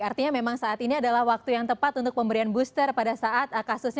artinya memang saat ini adalah waktu yang tepat untuk pemberian booster pada saat kasusnya